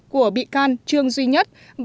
của bị can trương duy nhất